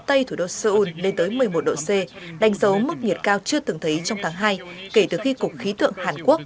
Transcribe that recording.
tây thủ đô seoul lên tới một mươi một độ c đánh dấu mức nhiệt cao chưa từng thấy trong tháng hai kể từ khi cục khí tượng hàn quốc